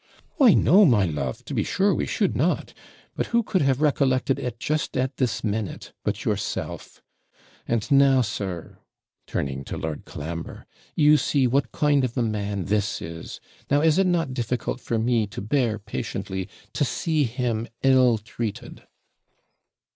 'Why, no, my love, to be sure we should not; but who could have recollected it just at this minute but yourself? And now, sir,' turning to Lord Colambre, 'you see what kind of a man this is: now is it not difficult for me to bear patiently to see him ill treated?'